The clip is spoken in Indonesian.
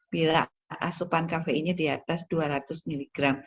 bila asupan kafeinnya di atas dua ratus mg